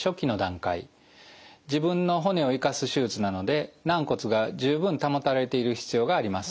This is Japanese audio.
自分の骨を生かす手術なので軟骨が十分保たれている必要があります。